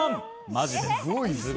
マジです。